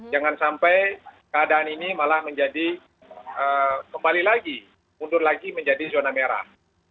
jangan sampai keadaan ini malah menjadi kembali lagi mundur lagi menjadi zona merah